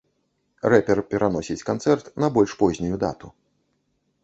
Рэпер пераносіць канцэрт на больш познюю дату.